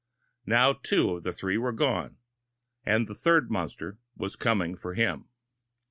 Now two of the three were gone, and the third monster was coming for him.